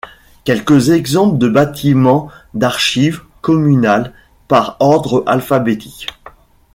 Quelques exemples de bâtiments d’archives communales, par ordre alphabétique.